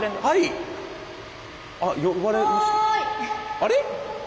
あれ？